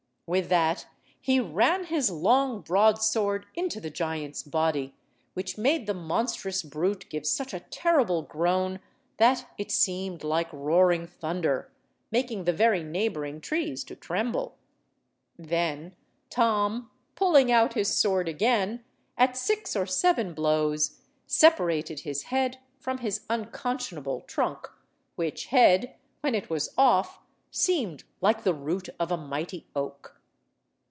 With that he ran his long broad–sword into the giant's body, which made the monstrous brute give such a terrible groan that it seemed like roaring thunder, making the very neighbouring trees to tremble. Then Tom, pulling out his sword again, at six or seven blows separated his head from his unconscionable trunk, which head, when it was off, seemed like the root of a mighty oak.